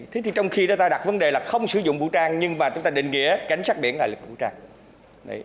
thế thì trong khi đó ta đặt vấn đề là không sử dụng vũ trang nhưng mà chúng ta định nghĩa cảnh sát biển là lực vũ trang